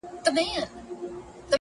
دوهم ځل او دريم ځل يې په هوا كړ،